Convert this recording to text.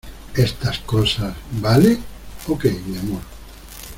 estas cosas, ¿ vale? ok , mi amor.